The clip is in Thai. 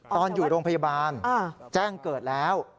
ตอนอยู่โรงพยาบาลแจ้งเกิดแล้ว